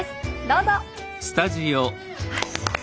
どうぞ！